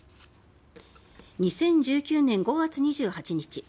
２０１９年５月２８日